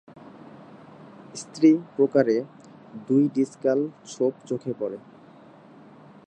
স্ত্রী প্রকারে, দুটি ডিসকাল ছোপ চোখে পড়ে।